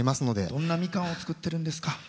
どんなみかんを作ってるんですか？